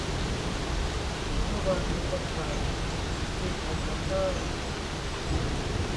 เมื่อวานมีคนถาม คุยขายของได้